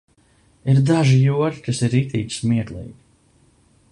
Ir daži joki, kas ir riktīgi smieklīgi.